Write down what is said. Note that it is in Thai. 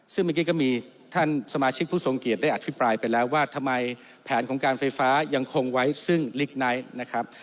ซึ่งเมื่อกี้ก็มีท่านสมาชิกผู้ทรงเกียจได้อภิปรายไปแล้วว่าทำไมแผนของการไฟฟ้ายังคงไว้ซึ่งลิกไนท์นะครับ